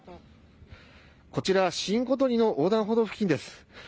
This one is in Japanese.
こちら、新琴似の横断歩道付近です。